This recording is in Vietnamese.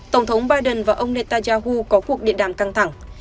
tổng thống biden và ông netanyahu có cuộc điện đàm căng thẳng